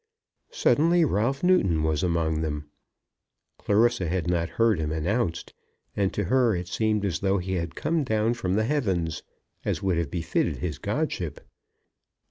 Suddenly Ralph Newton was among them. Clarissa had not heard him announced, and to her it seemed as though he had come down from the heavens, as would have befitted his godship.